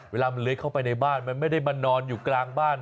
เวลามันเลื้อยเข้าไปในบ้านมันไม่ได้มานอนอยู่กลางบ้าน